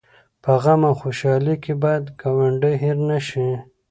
په غم او خوشحالۍ کې باید ګاونډی هېر نه شي